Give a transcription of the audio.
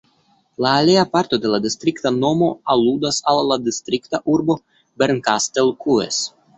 La alia parto de la distrikta nomo aludas al la distrikta urbo Bernkastel-Kues.